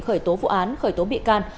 khởi tố vụ án khởi tố bị can